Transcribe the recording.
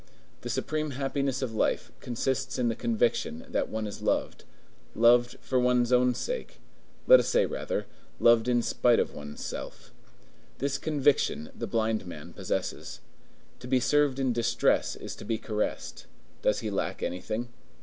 The supreme happiness of life consists in the conviction that one is loved; loved for one's own sake—let us say rather, loved in spite of one's self; this conviction the blind man possesses. To be served in distress is to be caressed. Does he lack anything?